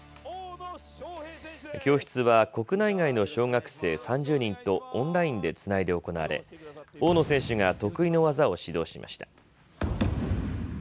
教室は国内外の小学生３０人とオンラインでつないで行われ、大野選手が得意の技を指導しました。